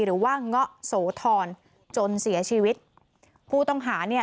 หรือว่างเงาะโสธอนจนเสียชีวิตผู้ต้องหาเนี่ย